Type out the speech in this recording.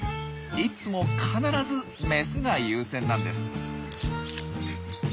いつも必ずメスが優先なんです。